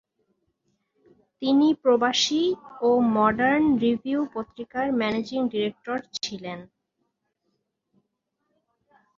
তিনি "প্রবাসী" ও "Modern Review" পত্রিকার ম্যানেজিং ডিরেক্টর ছিলেন।